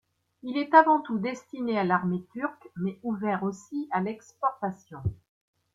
Il est avant tout destiné à l'armée turque mais ouvert aussi à l'exportation.